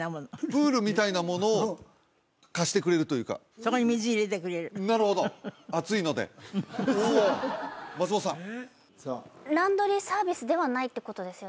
プールみたいなものを貸してくれるというかそこに水入れてくれるなるほど暑いので松本さんランドリーサービスではないってことですよね？